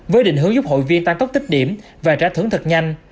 với định hướng giúp hội viên tăng tốc tích điểm và trả thưởng thật nhanh